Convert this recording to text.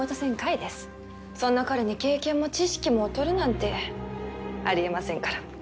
そんな彼に経験も知識も劣るなんてあり得ませんから。